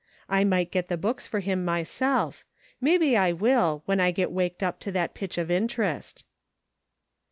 I might get the books for him my self ; maybe I will, when I get waked up to that pitch of interest."